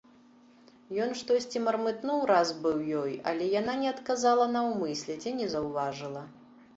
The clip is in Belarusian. Ён штосьці мармытнуў раз быў ёй, але яна не адказала наўмысля ці не заўважыла.